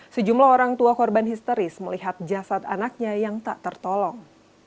sejumlah orang tua korban histeris melihat jasad anaknya yang tak tertolong